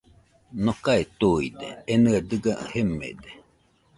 Nokae tuide enɨe dɨga jemede